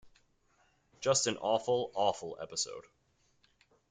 Just an awful, awful episode.